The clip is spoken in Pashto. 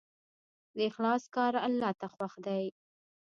د اخلاص کار الله ته خوښ دی.